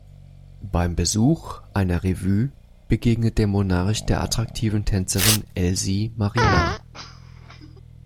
Beim Besuch einer Revue begegnet der Monarch der attraktiven Tänzerin Elsie Marina.